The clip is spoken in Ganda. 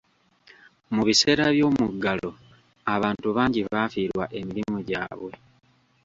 Mu biseera by'omuggalo, abantu bangi baafiirwa emirimu gyabwe.